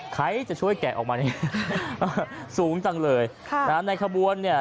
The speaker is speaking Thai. ใครจะช่วยแกะออกมานี่สูงจังเลยค่ะนะฮะในขบวนเนี่ย